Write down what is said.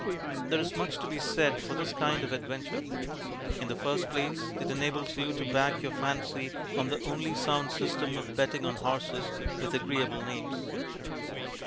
There is much to be said for this kind of adventure. In the first place, it enables you to back your fancy on the only sound system of betting on horses with agreeable names.